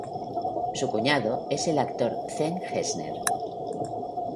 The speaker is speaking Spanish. Su cuñado es el actor Zen Gesner.